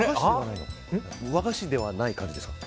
和菓子ではない感じですか？